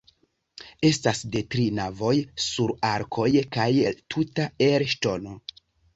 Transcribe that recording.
Estas de tri navoj sur arkoj kaj tuta el ŝtono.